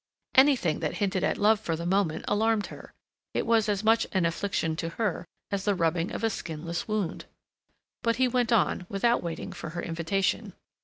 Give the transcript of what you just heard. Anything that hinted at love for the moment alarmed her; it was as much an infliction to her as the rubbing of a skinless wound. But he went on, without waiting for her invitation.